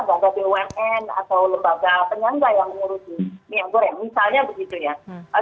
nggak ada bumn atau lembaga penyangga yang mengurusi minyak goreng misalnya begitu ya